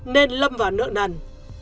nên lâm vào nợ nần